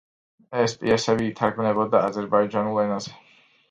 ეს პიესები ითარგმნებოდა აზერბაიჯანულ ენაზე.